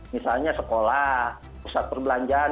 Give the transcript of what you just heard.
misalnya sekolah pusat perbelanjaan